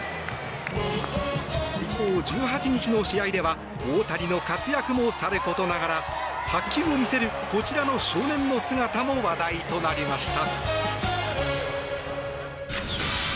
一方、１８日の試合では大谷の活躍もさることながら白球を見せるこちらの少年の姿も話題となりました。